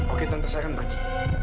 oke tante saya akan pagi